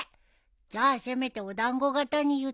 じゃあせめてお団子形に結ってよ。